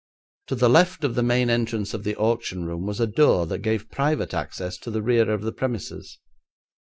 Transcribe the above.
To the left of the main entrance of the auction room was a door that gave private access to the rear of the premises.